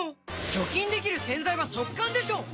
除菌できる洗剤は速乾でしょ！